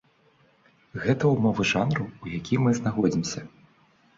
Гэта ўмовы жанру, у якім мы знаходзімся.